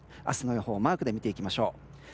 明日の予報マークで見ていきましょう。